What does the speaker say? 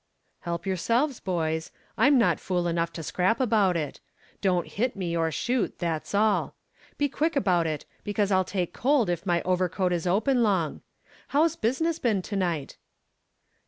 "Help yourselves, boys. I'm not fool enough to scrap about it. Don't hit me or shoot, that's all. Be quick about it, because I'll take cold if my overcoat is open long. How's business been to night?"